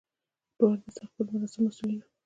دواړه د استقبال مراسمو مسولین وو.